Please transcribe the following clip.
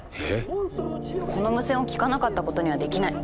この無線を聞かなかったことにはできない。